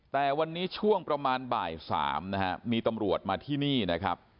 แต่วันนี้ช่วงประมาณบ่าย๓นะฮะมีตำรวจมาที่นี่นะครับ